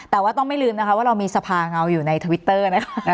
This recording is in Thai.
แต่ว่าต้องไม่ลืมนะคะว่าเรามีสภาเงาอยู่ในทวิตเตอร์นะคะ